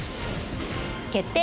「決定！